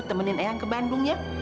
temenin eyang ke bandung ya